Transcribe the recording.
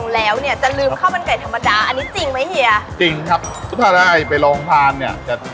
แล้วแต่ตัวเมียอันนี้ตัวเมียอันนี้จะเป็นตัวเมียครับ